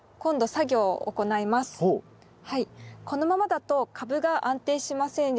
このままだと株が安定しませんですし